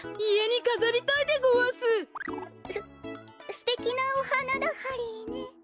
すてきなおはなだハリーね。